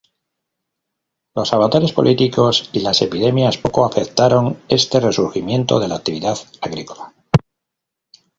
Los avatares políticos y las epidemias poco afectaron este resurgimiento de la actividad agrícola.